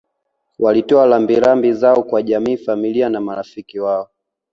walitoa rambi rambi zao kwa jamii familia na marafiki wao